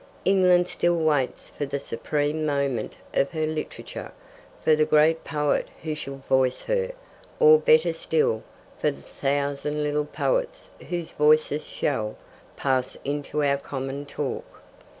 England still waits for the supreme moment of her literature for the great poet who shall voice her, or, better still, for the thousand little poets whose voices shall pass into our common talk.